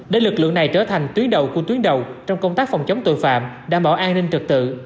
để lực lượng này trở thành tuyến đầu của tuyến đầu trong công tác phòng chống tội phạm đảm bảo an ninh trật tự